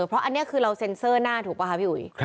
เพราะอันนี้คือเราเซ็นเซอร์หน้าถูกป่ะคะพี่อุ๋ย